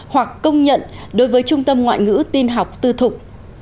hoặc công nhận đối với trung tâm ngoại ngữ tin học tư thục